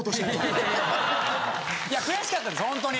いや悔しかったんですほんとに。